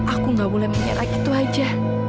aku gak boleh menyerah gitu aja